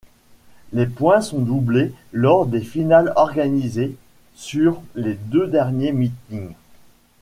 Les points sont doublés lors des finales organisées sur les deux derniers meetings.